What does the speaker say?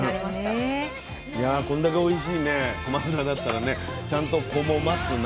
いやこんだけおいしいね小松菜だったらねちゃんと「子も待つな」。